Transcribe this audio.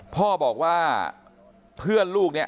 พ่อบอกว่าเพื่อนลูกเนี่ย